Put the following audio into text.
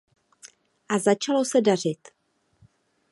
A začalo se dařit.